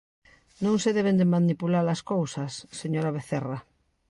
Non se deben de manipular as cousas, señora Vecerra.